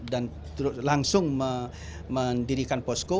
dan langsung mendirikan posko